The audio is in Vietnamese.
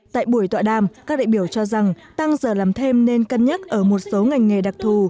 tại buổi tọa đàm các đại biểu cho rằng tăng giờ làm thêm nên cân nhắc ở một số ngành nghề đặc thù